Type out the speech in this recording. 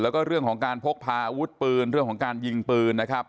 แล้วก็เรื่องของการพกพาอาวุธปืนเรื่องของการยิงปืนนะครับ